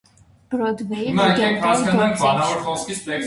Բրոդվեյի լեգենդար գործիչ։